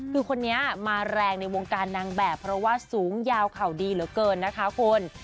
คือคนนี้มาแรงในวงการนางแบบเพราะว่าสูงยาวเข่าดีเหลือเกินนะคะคุณ